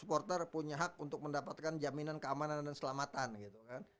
supporter punya hak untuk mendapatkan jaminan keamanan dan keselamatan gitu kan